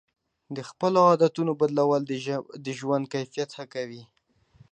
د خپلو عادتونو بدلول د ژوند کیفیت ښه کوي.